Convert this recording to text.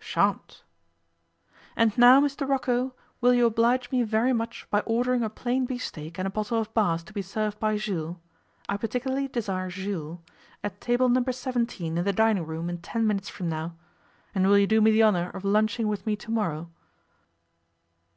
'Sharmed.' 'And now, Mr Rocco, will you oblige me very much by ordering a plain beefsteak and a bottle of Bass to be served by Jules I particularly desire Jules at table No. 17 in the dining room in ten minutes from now? And will you do me the honour of lunching with me to morrow?